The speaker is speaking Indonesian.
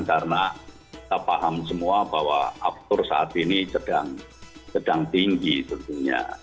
karena kita paham semua bahwa aftur saat ini sedang tinggi tentunya